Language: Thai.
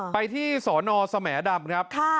ไปที่ศนสมดำ